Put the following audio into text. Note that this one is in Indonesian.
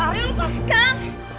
mas ari lupaskan